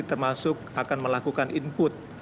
termasuk akan melakukan input